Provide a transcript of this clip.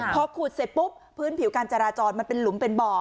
พอขุดเสร็จปุ๊บพื้นผิวการจราจรมันเป็นหลุมเป็นบ่อ